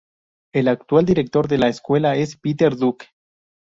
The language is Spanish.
El actual director de la escuela es Peter Duck.